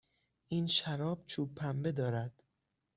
این شراب چوب پنبه دارد.